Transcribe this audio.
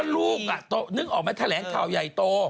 ว่าลูกนึกออกไหมแถวใหญ่โต